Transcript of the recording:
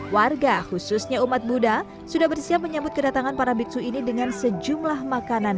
warga khususnya umat buddha sudah bersiap menyambut kedatangan para biksu ini dengan sejumlah makanan